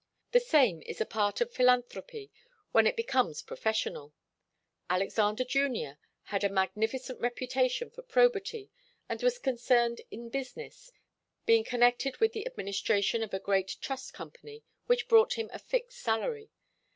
The same is a part of philanthropy when it becomes professional. Alexander Junior had a magnificent reputation for probity, and was concerned in business, being connected with the administration of a great Trust Company, which brought him a fixed salary.